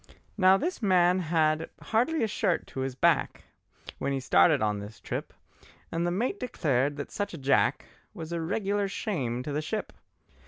Now this man had hardly a shirt to his back, When he started on this trip, And the mate declared that such a Jack Was a regular shame to the ship.